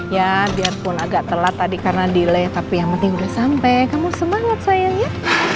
ya biarpun agak telat tadi karena delay tapi yang penting udah sampai kamu semangat sayangnya